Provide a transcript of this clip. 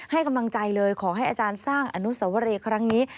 ให้กำลังใจเลยขอให้อาจารย์สร้างอนุสวรีครั้งนี้